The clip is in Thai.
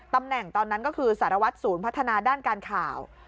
ตอนนั้นก็คือสารวัตรศูนย์พัฒนาด้านการข่าว